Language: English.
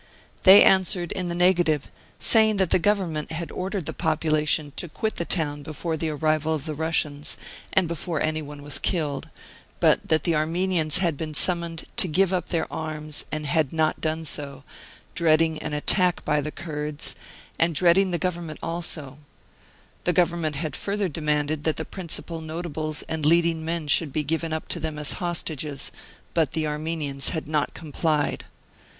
They answered in the negative, saying that the Govern ment had ordered the population to quit the town before the arrival of the Russians and before any one was killed; but that the Armenians had been summoned to give up their arms and had not done so, dreading an attack by the Kurds, and dreading the Government also; the Government had further demanded that the principal Notables and lea'ding men should be given up to them as hostages, but the Armenians had not complied.